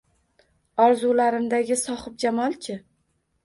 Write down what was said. Orzularimdagi sohibjamol-chi